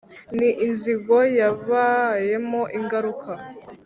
Ni inzigo yabayemo ingaruka !